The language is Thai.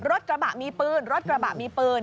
รถกระบะมีปืนรถกระบะมีปืน